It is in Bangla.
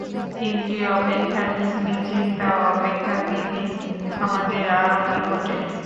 ইন্দ্রিয় অপেক্ষা, নিজ নিজ চিন্তা অপেক্ষা তিনি আমাদের আরও নিকটে।